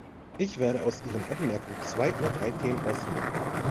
Ich werde aus Ihren Anmerkungen zwei oder drei Themen auswählen.